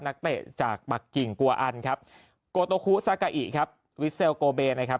นักเตะจากบักกิ่งกัวอันครับโกโตคุซากาอิครับวิสเซลโกเบนะครับ